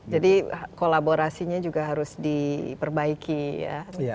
jadi kolaborasinya juga harus diperbaiki ya